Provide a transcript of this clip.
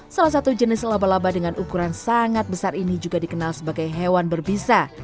salah satu jenis laba laba dengan ukuran sangat besar ini juga dikenal sebagai hewan berbisa